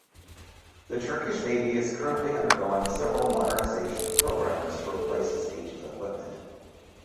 The Turkish Navy is currently undergoing several modernisation programmes to replace its ageing equipment.